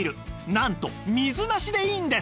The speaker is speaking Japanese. なんと水なしでいいんです